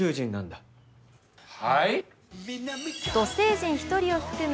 土星人１人を含む